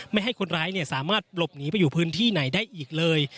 ไม่ให้คนร้ายสามารถหลบหนีไปอยู่พื้นที่ไหนได้อีกเลย